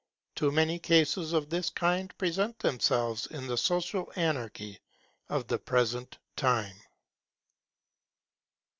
Too many cases of this kind present themselves in the social anarchy of the present time.